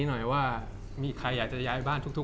จากความไม่เข้าจันทร์ของผู้ใหญ่ของพ่อกับแม่